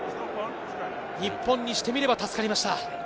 日本にしてみれば助かりました。